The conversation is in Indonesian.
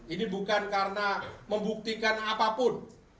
ini bukan karena membuktikan apapun